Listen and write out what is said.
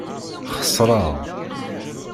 Xeṣreɣ.